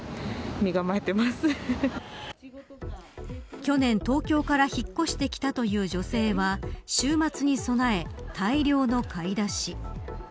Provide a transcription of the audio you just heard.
去年、東京から引っ越してきたという女性は週末に備え、大量の買い出し。